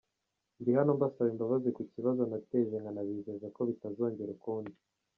Ndi hano mbasaba imbabazi ku kibazo nateje nkanabizeza ko bitazongera ukundi”.